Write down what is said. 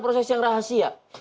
proses yang rahasia